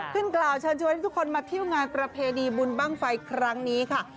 กล่าวเชิญชวนให้ทุกคนมาเที่ยวงานประเพณีบุญบ้างไฟครั้งนี้ค่ะ